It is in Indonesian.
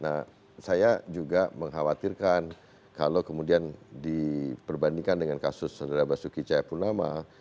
nah saya juga mengkhawatirkan kalau kemudian diperbandingkan dengan kasus saudara basuki cahayapunama